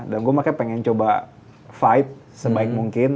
dan gue makanya pengen coba fight sebaik mungkin